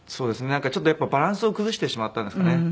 なんかちょっとやっぱりバランスを崩してしまったんですかね。